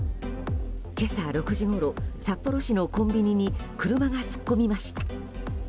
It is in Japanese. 今朝６時ごろ、札幌市のコンビニに車が突っ込みました。